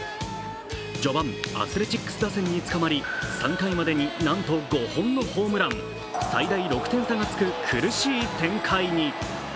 序盤、アスレチックス打線につかまり、３回までに、なんと５本のホームラン最大６点差がつく苦しい展開に。